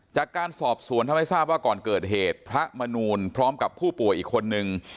จากการสอบสวนทำให้ทราบว่าก่อนเกิดเหตุพระมนูลพร้อมกับผู้ป่วยอีกคนนึง